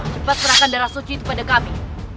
cepat serahkan darah suci itu pada kami